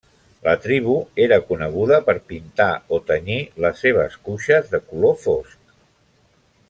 La tribu era coneguda per pintar o tenyir les seves cuixes de color fosc.